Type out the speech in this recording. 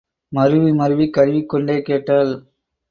மருவி மருவி கருவிக்கொண்டே கேட்டாள்.